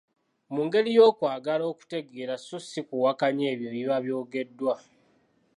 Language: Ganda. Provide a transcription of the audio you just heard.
Mu ngeri y’okwagala okutegeera so si kuwakanya ebyo ebiba byogeddwa.